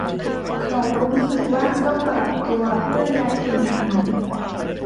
เขารู้สึกว่าต้องปรับตัวเมื่อย้ายถิ่นฐาน